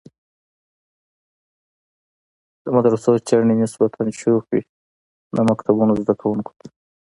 د مدرسو چڼې نسبتاً شوخ وي، د مکتبونو زده کوونکو ته.